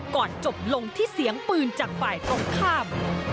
จบลงที่เสียงปืนจากฝ่ายตรงข้าม